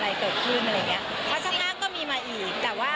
แล้วก็อินบล็อกไปหาทางเพจว่า